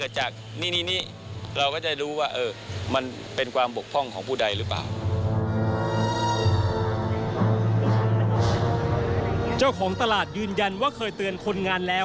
เจ้าของตลาดยืนยันว่าเคยเตือนคนงานแล้ว